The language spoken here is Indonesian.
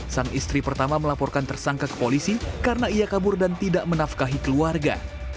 sang istri pertama melaporkan tersangka ke polisi karena ia kabur dan tidak menafkahi keluarga